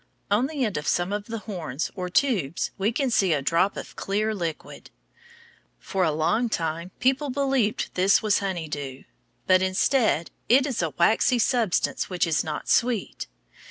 On the end of some of the horns, or tubes, we can see a drop of clear liquid. For a long time people believed this was honey dew, but instead, it is a waxy substance which is not sweet.